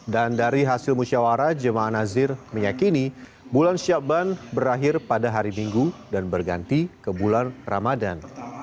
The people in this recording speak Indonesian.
dan dari hasil musyawarah jemaah anazir meyakini bulan syabban berakhir pada hari minggu dan berganti ke bulan ramadhan